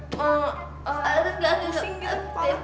pusing gitu kepala